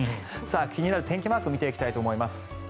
気になる天気マーク見ていきたいと思います。